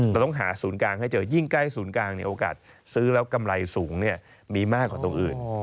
เราต้องหาศูนย์กลางให้เจอยิ่งใกล้ศูนย์กลางโอกาสซื้อแล้วกำไรสูงมีมากกว่าตรงอื่น